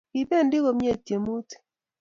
Kibendi komnyei tyemutik